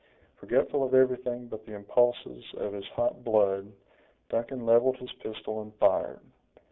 Forgetful of everything but the impulses of his hot blood, Duncan leveled his pistol and fired.